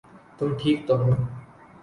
تم ٹھیک تو ہو؟